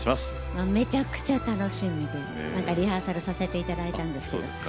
もうめちゃくちゃ楽しみでリハーサルさせて頂いたんですけど最高です。